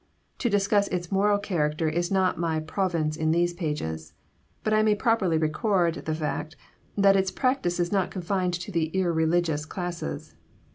To discuss its moral character is not my province in these pages; but I may properly record the fact that its practice is not confined to the irreligious classes.